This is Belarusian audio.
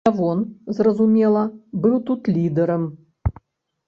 Лявон, зразумела, быў тут лідэрам.